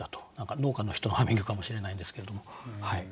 農家の人のハミングかもしれないんですけれども。